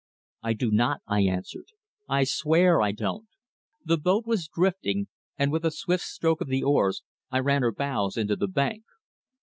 "I do not," I answered. "I swear I don't." The boat was drifting, and with a swift stroke of the oars I ran her bows into the bank.